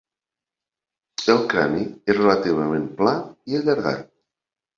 El crani és relativament pla i allargat.